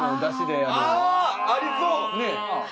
ありそう！